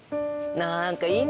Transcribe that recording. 何か。